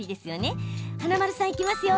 今度は華丸さん、いきますよ。